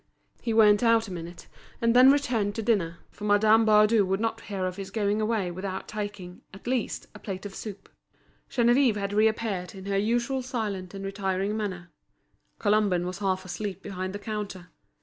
He went out a minute, and then returned to dinner, for Madame Baudu would not hear of his going away without taking, at least, a plate of soup. Geneviève had reappeared in her usual silent and retiring manner. Colomban was half asleep behind the counter.